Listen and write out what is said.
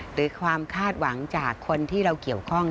หรือความคาดหวังจากคนที่เราเกี่ยวข้อง